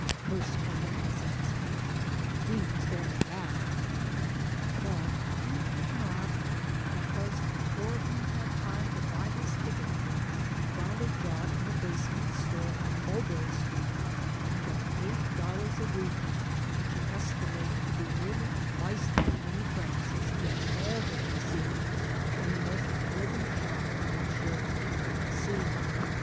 Curse Columbus and his country. He was going back. But he did not; because before he had time to buy his ticket he found a job in a basement store on Mulberry Street and got eight dollars a week, which he estimated to be nearly twice as many f i^ancs as he had ever received in the most elegant shop on the shores of the Black Sea.